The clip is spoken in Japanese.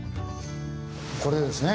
これですね。